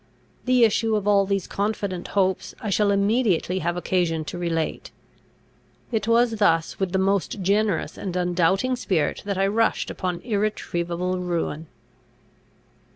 The issue of all these confident hopes I shall immediately have occasion to relate. It was thus, with the most generous and undoubting spirit, that I rushed upon irretrievable ruin.